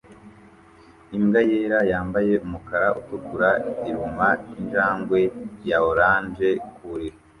Imbwa yera yambaye umukara utukura iruma injangwe ya orange ku buriri